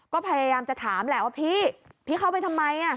ก็พยายามจะถามว่าพี่เข้าไปทำไม